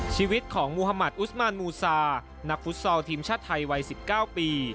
ชีวิตของมุธมัติอุสมานมูซานักฟุตซอลทีมชาติไทยวัย๑๙ปี